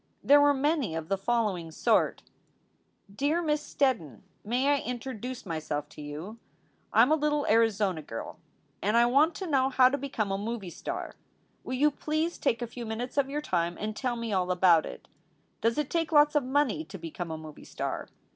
There were many of the following sort: DEAR Miss STEDDON May I interduce my self to you? Im a little Arizona Girl, an I want to know how to be come a Movie Star. SOULS FOR SALE 355 Will you pleace take A few minutes of your time an tell me all about it. Does it take lots of money to be come a Movie Star.